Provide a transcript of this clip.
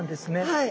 はい。